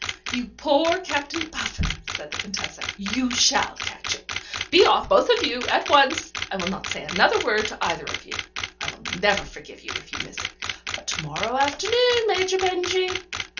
"You poor Captain Puffin," said the Contessa, "you shall catch it. Be off, both of you, at once. I will not say another word to either of you. I will never forgive you if you miss it. But to morrow afternoon, Major Benjy."